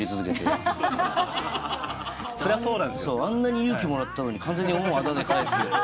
あんなに勇気もらったのに完全に恩をあだで返す形に。